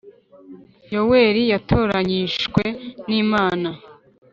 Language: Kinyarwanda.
yoweli yatoranyishwe ni mana